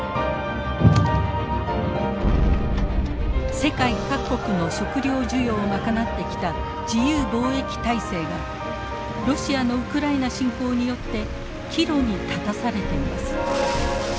世界各国の食料需要を賄ってきた自由貿易体制がロシアのウクライナ侵攻によって岐路に立たされています。